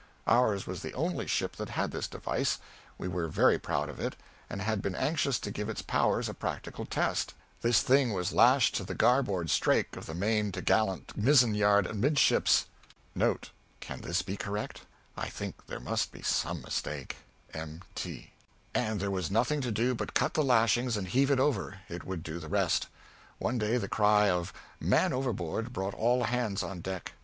Ours was the only ship that had this device; we were very proud of it, and had been anxious to give its powers a practical test. This thing was lashed to the garboard strake of the main to'gallant mizzen yard amidships, and there was nothing to do but cut the lashings and heave it over; it would do the rest. One day the cry of 'Man overboard!' brought all hands on deck.